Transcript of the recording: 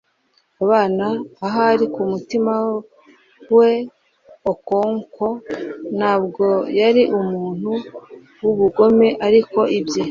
abana. ahari kumutima we okonkwo ntabwo yari umuntu wubugome. ariko ibye